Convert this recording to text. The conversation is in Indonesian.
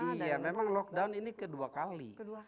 iya memang lockdown ini kedua kali